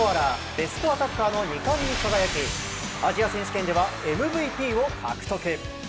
ベストアタッカーの２冠に輝きアジア選手権ではＭＶＰを獲得。